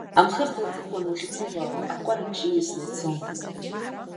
Амхырҭа аҵыхәан уахьналбаауа, акәараҷҷа ииасны ицон.